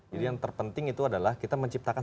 jadi yang terpenting itu adalah kita menciptakan